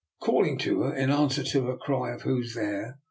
Calling to her in answer to her cry of " Who is there!